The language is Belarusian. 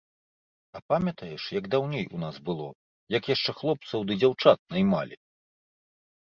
А памятаеш, як даўней у нас было, як яшчэ хлопцаў ды дзяўчат наймалi?